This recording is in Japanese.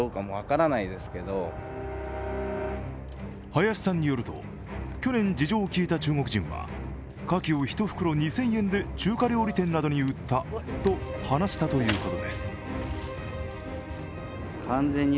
林さんによると、去年事情を聞いた中国人はカキを１袋２０００円で中華料理店などに売ったと話したということです。